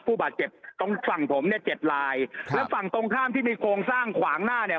ผู้บาดเจ็บตรงฝั่งผมเนี่ยเจ็ดลายครับแล้วฝั่งตรงข้ามที่มีโครงสร้างขวางหน้าเนี่ย